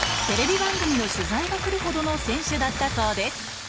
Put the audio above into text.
テレビ番組の取材が来るほどの選手だったそうです